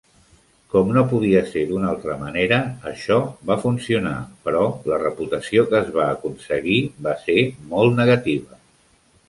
Com no podia ser d'una altra manera, això va funcionar, però la reputació que es va aconseguir va ser molt negativa.